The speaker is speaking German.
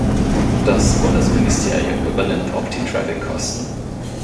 Das Bundesministerium übernimmt auch die Traffic-Kosten.